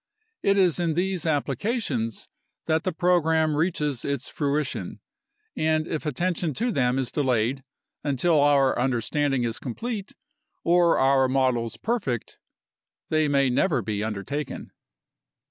It is in these applications that the program reaches its fruition, and if attention to them is delayed until our understanding is complete or our models perfect, they may never be undertaken.